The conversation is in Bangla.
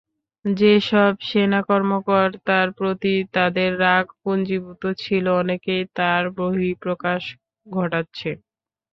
যেসব সেনা কর্মকর্তার প্রতি তাদের রাগ পুঞ্জীভূত ছিল, অনেকেই তার বহিঃপ্রকাশ ঘটাচ্ছে।